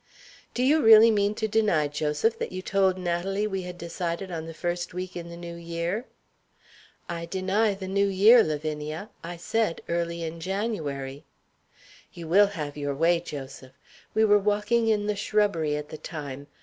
"Do you really mean to deny, Joseph, that you told Natalie we had decided on the first week in the New Year?" "I deny the New Year, Lavinia. I said early in January." "You will have your way, Joseph! We were walking in the shrubbery at the time.